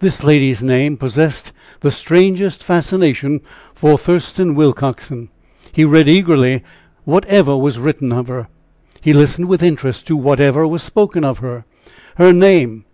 This lady's name possessed the strangest fascination for Thurston Willcoxen; he read eagerly whatever was written of her; he listened with interest to whatever was spoken of her. Her name!